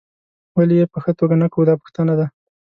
ولې یې په ښه توګه نه کوو دا پوښتنه ده.